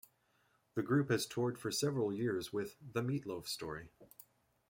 The group has toured for several years with "The Meat Loaf Story".